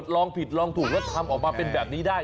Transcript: ลองผิดลองถูกแล้วทำออกมาเป็นแบบนี้ได้